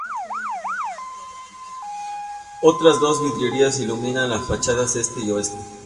Otras dos vidrieras iluminan las fachadas este y oeste.